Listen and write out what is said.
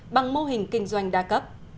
bằng mô hình kinh doanh đa cấp